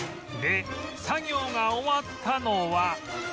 で作業が終わったのは